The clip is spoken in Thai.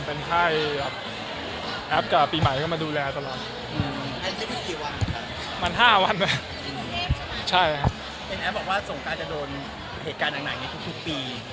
เป็นแอปบอกว่าสงการจะโดนเหตุการณ์หนักในทุกปี